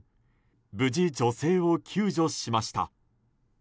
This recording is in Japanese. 無事、女性を救助しました。